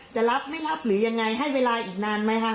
จะรับไม่รับหรือยังไงให้เวลาอีกนานไหมคะ